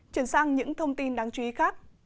chuyển sang những thông tin đáng chú ý khác